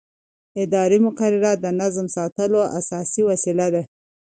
اداري مقررات د نظم ساتلو اساسي وسیله ده.